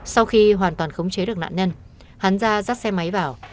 sau khi hoàn toàn khống chế được nạn nhân hắn ra dắt xe máy vào